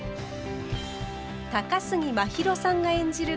高杉真宙さんが演じる